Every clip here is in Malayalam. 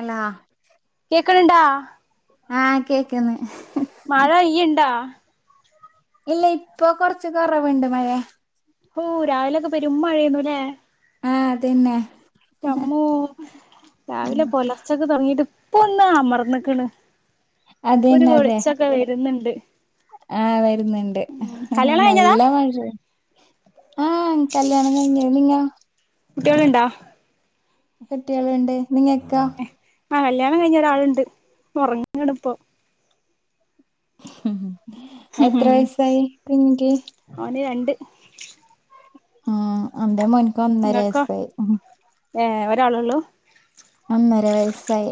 അല്ലാ കേക്കണുണ്ടാ ആഹ് കേക്കന്ന് മഴ ഇയ്യ് ഇണ്ടാ ഇല്ല ഇപ്പൊ കൊറച്ച് കുറവുണ്ട് മഴേ ഓ രാവിലൊക്കെ പെരും മഴയൊന്നു അല്ലേ ആഹ് അതന്നെ ഇന്റെമ്മോ രാവിലെ പൊലർച്ചൊക്കെ തുടങ്ങിട്ട് ഇപ്പൊ ഒന്ന് അമർന്നക്കണ്. ഒരു അതെന്നെ അതെ വെളിച്ചൊക്കെ വരുന്നുണ്ട് ആഹ് വരുന്നുണ്ട് ഉം കല്യാണം കഴിഞ്ഞതാ നല്ല മഴ ആഹ് കല്യാണം കഴിഞ്ഞ നിങ്ങ കുട്ടിയൾണ്ടോ കട്ടികളുണ്ട് നിങ്ങക്കാ ആ കല്യാണം കഴിഞ്ഞ് ഒരാളുണ്ട് ഉറക്കാണിപ്പോ ഉം, എത്ര വയസായി [unintelligible] അവന് രണ്ട് ആ അവിടെ മോനക്ക് ഒന്നര നിങ്ങക്കോ വയസായി. ഏ ഒരാള ഉള്ളൂ ഒന്നര വയസ്സായി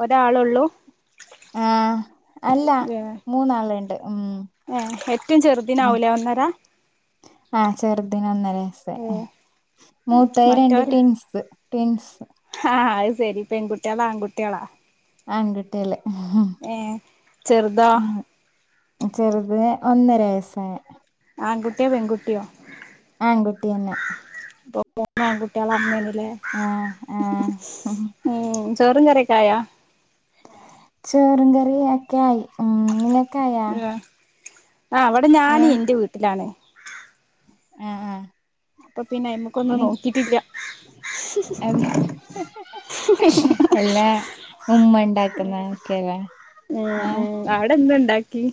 ഒരാളെള്ളൂ ആഹ് അല്ല മൂന്നാളുണ്ട് ഉം ആഹ് ഏറ്റവും ഉം ചെറുതിനാവൂലേ ഒന്നര ആഹ് ചെറുതിന് ഒന്നര ഏ വയസായി, മൂത്തേ രണ്ട് ട്വിൻസ് ട്വിൻസ് ആഹ് അത് ശരി, പെൺകുട്ടികളാ ആൺകുട്ടികളാ? ആൺകുട്ടികള് ഏ ചെറുതോ ഉം ചെറുതിന് ഒന്നര വയസ്സായി ആൺകുട്ടിയോ പെൺകുട്ടിയോ ആൺകുട്ടിയന്നെ ആപ്പോ മൂന്നു ആൺകുട്ടികളാണ് ആ ആ [unintelligible] ഉം ചോറും കറിയൊക്കെ ആയാ? ചോറും കറി ഒക്കെ ആയി ഉം [unintelligible] ആഹ് ആ അവിടെ ഞാന് എന്റെ വീട്ടിലാണ്. ആഹ് ആഹ് അപ്പോ പിന്നെ അയിമക്കൊന്നും നോക്കിട്ടില്ല. അതെ എല്ലാ ഉമ്മ ഉണ്ടാക്കുന്ന ഒക്കെയല്ലേ ഉം ഉം അവിടെ എന്തണ്ടാക്കിയെ?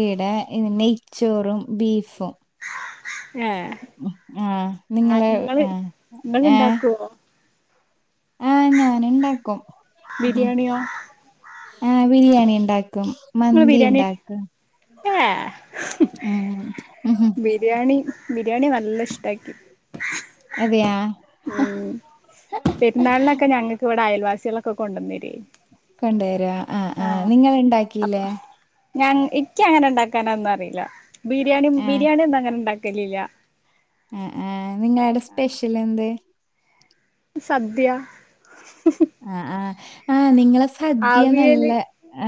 ഈടെ ഇന്ന് നെയ്ച്ചോറും ബീഫും. ഏഹ്‌ ആ ആഹ്‌ നിങ്ങള് ഇങ്ങള് ആ ഇങ്ങള് ഇണ്ടാക്കുവോ? ആഹ്‌ ഞാന് ഇണ്ടാക്കും. ബിരിയാണിയോ ആഹ്‌ ബിരിയാണി ഇണ്ടാക്കും. നിങ്ങളെ ബിരിയാണി ഏഹ്‌? ഉം ബിരിയാണി ബിരിയാണി നല്ല ഇഷ്ട്ടായിക്ക്. അതെയാ? ഉം പെരുന്നാളിനൊക്കെ ഞങ്ങൾക്ക് ഇവിടെ അയൽവാസികളൊക്കെ കൊണ്ടന്ന് തരുവേനു. കൊണ്ടുവരോ ആഹ്‌ ആഹ് നിങ്ങൾ അപ്പൊ ഉണ്ടാക്കിലേ? ഞാൻ ഇക്ക് അങ്ങനെ ഉണ്ടാക്കാനാന്നും അറിയില്ല ബിരിയാണി ആഹ് ബിരിയാണി ഒന്നും അങ്ങനെ ഇണ്ടാക്കലില്ല. ആഹ്‌ ആഹ് നിങ്ങളാടെ സ്പെഷ്യൽ എന്ത്? സദ്യ. ആഹ്‌ ആഹ്‌ ആഹ്‌ നിങ്ങളെ സ ദ്യ നല്ല അവിയല്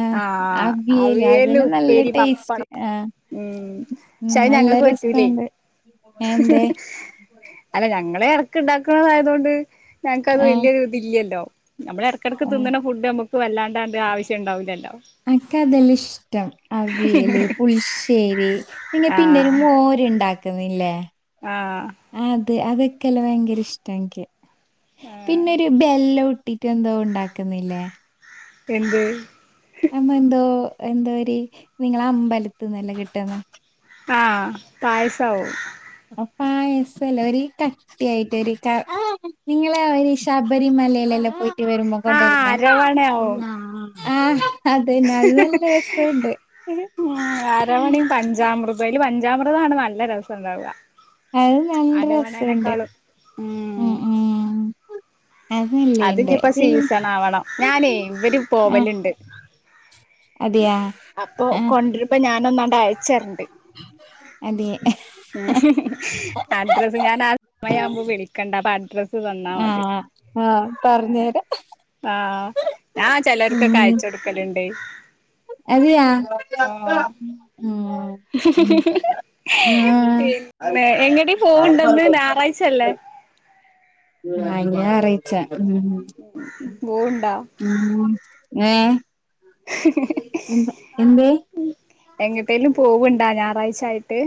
ആഹ്‌ ആഹ് അവിയല് അതെല്ലാം നല്ല ഉപ്പേരി ടേസ്റ്റ് പപ്പടം ആഹ്‌ ഉം പക്ഷേ അത് ഞങ്ങക്ക് പറ്റൂലേ എന്തേ? അല്ല ഞങ്ങളെടക്ക് ഇണ്ടാക്കണതായതോണ്ട് ഞങ്ങക്കത് ആഹ് വലിയൊരിതില്ലല്ലോ നമ്മള് ഇടക്കിടക്ക് ആഹ് തിന്നണ ഫുഡ് നമുക്ക് വല്ലാണ്ട ആവശ്യം ഉണ്ടാവില്ലല്ലോ? അനക്ക് അതെല്ലാ ഇഷ്ടം അവിയല്, പുളിശ്ശേരി നിങ്ങ പിന്നൊരു മോരുണ്ടാക്കുന്നില്ലേ? ആഹ്‌ അത് അതൊക്കെല്ല ഭയങ്കര ഇഷ്ടം എനിക്ക് ആഹ് പിന്നെരി ബെല്ലോട്ടി ട്ട് എന്തോ ഉണ്ടാക്കുന്നില്ലേ? എന്ത്‌? അമ്മ എന്തോ എന്തോരി നിങ്ങളെ അമ്പലത്ത്ന്നല്ലോ കിട്ടന്നെ? ആഹ് പായസാവും. പായസല്ല ഒരീ കട്ടിയായിട്ട് ഒരി ക നിങ്ങളെ ഒരി ശബരിമലയിലെല്ലാം പോയി യിട്ട് വരുമ്പോ ആഹ് കൊണ്ടരുന്നെ അരവണയാവും ആഹ്‌ അതെന്നെ അത് നല്ല രസണ്ട്. ഉം അരവണി പഞ്ചാമൃതം അയില് പഞ്ചാമൃതാണ് നല്ല രസം ഉണ്ടാവുക. അത് നല്ല രസണ്ട് അരവണനെക്കാളും ഉം ഉം അത് നല്ലയിണ്ട് അതിഞ്ഞിപ്പോ പി സീസൺ ആവണം ഞാനേ ഇവര് ആഹ്‌ പോവലുണ്ട് അതെയാ? അപ്പൊ കൊണ്ടിരുമ്പ ഞൻ ഒന്നാണ്ട് അയച്ചരുണ്ട് അതെ അഡ്രസ്സ് ഞാൻ ആ സമയയാവുമ്പോ വിളിക്കണ്ട അപ്പൊ അഡ്രസ്സ് ആഹ്‌ ആഹ്‌ ആഹ്‌ ഞാ ചെലർക്ക്ക്കൊയച്ചു കൊടുക്കലുണ്ട് എൻതെയ ആഹ് ഉം ഉം ഉം ഞായറാഴ്ചയല്ലേ കൈഞ്ഞ ഞായറാഴ്ച ബോണ്ടാ മ്മ് ഏഹ് എന്താ എന്തെ എങ്ങട്ടേലും പോവണ്ടാ ഞായറാഴ്ച ആയിട്ട്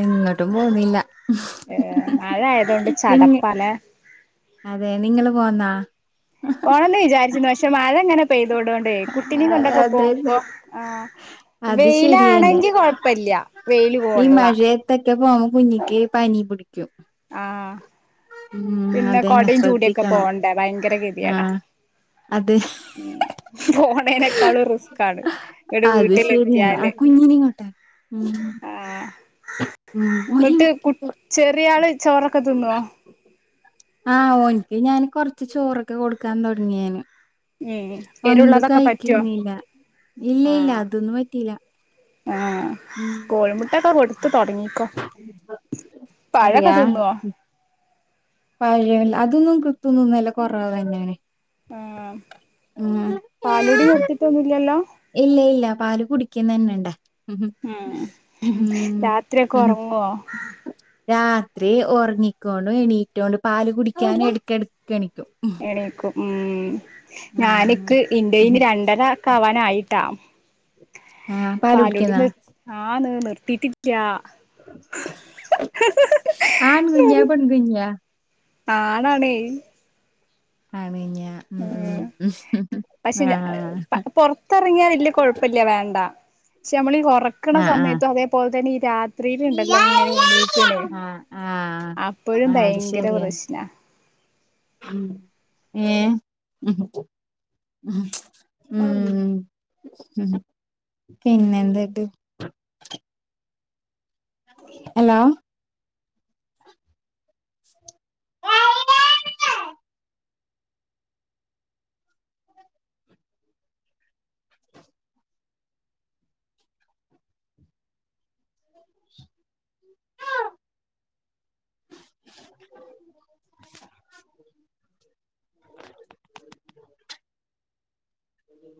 എങ്ങോട്ടും പോന്നില്ല ഏഹ്‌ മഴ ആയതോണ്ട് നിങ്ങ ചടപ്പല്ലേ അതെ നിങ്ങള് പോന്നാ പോണെന്ന് വിചാരിച്ചിരുന്നു പക്ഷെ മഴങ്ങനെ പെയ്തോടോണ്ടേ കുട്ടിനിം കൊണ്ടൊക്കെ അതെതെ പോകുമ്പോ ആഹ് അത് ശരിയന്നെ വെയിലാണെങ്കി കൊഴപ്പല്ല വെയില് കൊള്ള ത്തൊക്കെ പോകുമ്പോ കുഞ്ഞിക്ക് പനി പിടിക്കും. ആഹ് ഉം പിന്നെ അതന്നെ കൊടയും ചൂടിയൊക്കെ ശ്രദ്ധിക്കണം പോണ്ടേ ഭയങ്കര ആ ഗതിയേടാ അത് ഉം പോണേനേക്കാളും റിസ്ക്കാണ്. അത് ശരിയന്നെ ആ കുഞ്ഞിനിങ്ങോട്ടെ ഉം ആഹ് ഉം ഒരു എന്നിട്ട് കു ചെറിയാള് ചോറൊക്കെ തിന്നോ ആഹ് ഓൻക്ക് ഞാന് കൊറച്ച് ചോറൊക്കെ കൊടുക്കാൻ തുടങ്ങിയേന്. ഉം ഒന്ത് എരുള്ളതൊക്കെ പറ്റോ കഴിക്കുന്നില്ല ഇല്ല ഇല്ല ആഹ് അതൊന്നും പറ്റില്ല. ആഹ് കോഴിമുട്ടൊക്കെ കൊടുത്ത് തൊടങ്ങിക്കോ പഴൊക്കെ തിന്നുവോ പഴയില്ല അതൊന്നും കൃത്യൊന്നൊന്നല്ല കൊറവന്നെണ്. ആഹ് പാലുടി നിർത്തിട്ടൊന്നുല്ലല്ലോ? ഇല്ല ഇല്ല പാല് കുടിക്കുന്നന്നെണ്ട ഉം ഉം രാത്രിയൊക്കെ ഉം ഒറങ്ങോ രാത്രി ഒറങ്ങിക്കോണ്ട് എണീറ്റോണ്ട് പാല് കുടിക്കാൻ എടക്കടക്ക് എണിക്കും. എണീക്കും ഉം ഞാന് ആഹ് ഇക്ക് ഇന്റെയിന് രണ്ടര കാവാനായിട്ടാ ആഹ് പാല് പാലുടി കുടിക്കുന്നാ നിർ ആഹ്ന്ന് നിർത്തിട്ടില്ല. ആൺ കുഞ്ഞാ പെൺ കുഞ്ഞാ ആണാണേയ് ആണെന്നാ ഉം ഉം ഉം പക്ഷെ ഞ ആഹ് പൊറത്തിറങ്ങിയാ വല്യ കൊഴപ്പല്ല വേണ്ട പക്ഷെ നമ്മളീ ഒറക്കണ ആഹ് ആഹ് സമയത്തും അതേപോലെ തന്നെ ഈ രാ ത്രീയിലുണ്ടല്ലോ ഇങ്ങനെ എണീക്കണ് ആഹ് ആഹ് അപ്പഴും ആഹ് അത് ഭയങ്കര പ്രശ്ന ഉം ഏഹ് ഉം ഉം ഉംഉ പിന്നെന്തായിട്ട് ഹലോ